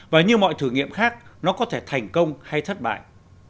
và như mọi thử nghiệm khác nó có thể thành công hay thất bại